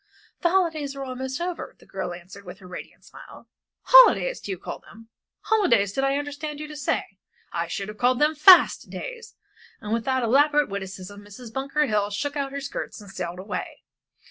"The holidays are almost over," the girl answered, with her radiant smile. "Holidays do you call them? Holidays did I understand you to say? I should have called them fast days." And, with that elaborate witticism, Mrs. Bunker Hill shook out her skirts and sailed away.